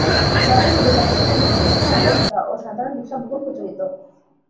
শহরের মধ্যে যাতায়াতের জন্য তিন চাকার অটোরিক্সা ও সাধারণ রিক্সা বহুল প্রচলিত।